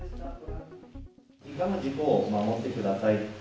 以下の事項を守ってください。